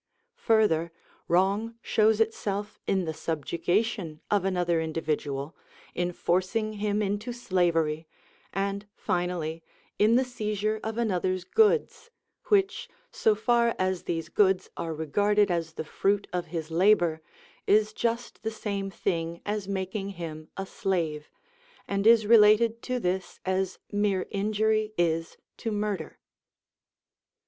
Further, wrong shows itself in the subjugation of another individual, in forcing him into slavery, and, finally, in the seizure of another's goods, which, so far as these goods are regarded as the fruit of his labour, is just the same thing as making him a slave, and is related to this as mere injury is to murder.